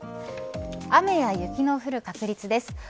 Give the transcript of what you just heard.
雨や雪の降る確率です。